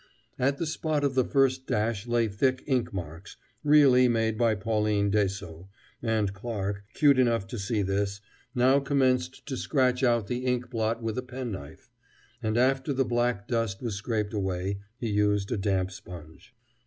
At the spot of the first dash lay thick ink marks really made by Pauline Dessaulx and Clarke, cute enough to see this, now commenced to scratch out the ink blot with a penknife, and after the black dust was scraped away, he used a damp sponge.